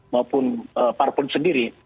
maupun parpol sendiri